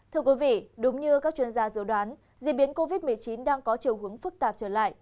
thưa quý vị đúng như các chuyên gia dự đoán diễn biến covid một mươi chín đang có chiều hướng phức tạp trở lại